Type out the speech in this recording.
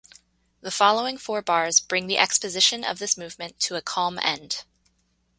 The following four bars bring the exposition of this movement to a calm end.